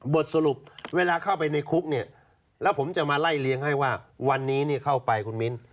บทสรุปเวลาเข้าไปในคุกเนี่ยแล้วผมจะมาไล่เลี้ยงให้ว่าวันนี้เข้าไปคุณมิ้น